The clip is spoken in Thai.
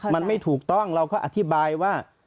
มันไม่ถูกต้องเราก็อธิบายว่า